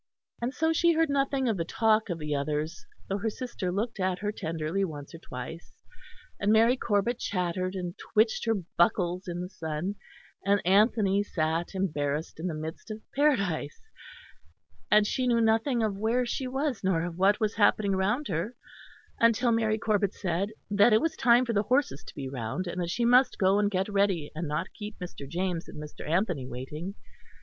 And so she heard nothing of the talk of the others; though her sister looked at her tenderly once or twice; and Mary Corbet chattered and twitched her buckles in the sun, and Anthony sat embarrassed in the midst of Paradise; and she knew nothing of where she was nor of what was happening round her, until Mary Corbet said that it was time for the horses to be round, and that she must go and get ready and not keep Mr. James and Mr. Anthony waiting.